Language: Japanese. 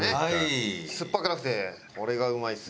酸っぱくなくてこれがうまいんですよ。